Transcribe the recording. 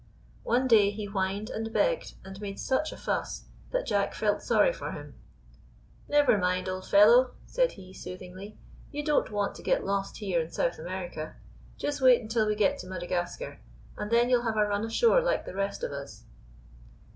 One day he whined and begged and made such a fuss that Jack felt sorry for him. *" Never mind, old fellow," said he, soothingly. "You don't want to get lost here in South America. You wait until we get to Madagas car, and then you 'll have a run ashore like the rest of us."